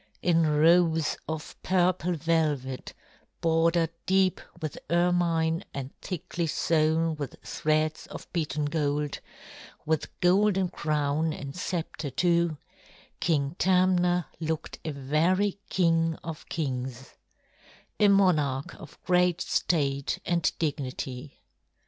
In robes of purple velvet bordered deep with ermine and thickly sewn with threads of beaten gold, with golden crown and sceptre too, King Tamna looked a very king of kings, a monarch of great state and dignity.